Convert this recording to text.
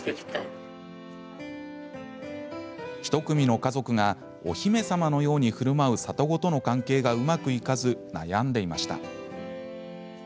１組の家族がお姫様のようにふるまう里子との関係がうまくいかず悩んでいました。